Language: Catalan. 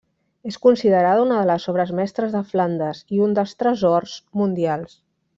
És considerada una de les obres mestres de Flandes i un dels tresors mundials.